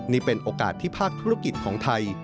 นี่เป็นโอกาสที่ภาคธุรกิจของไทย